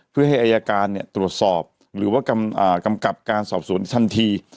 เพื่อให้อายการตรวจสอบหรือว่ากำกับการสอบสวนทันที